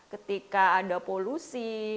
ketika ada polusi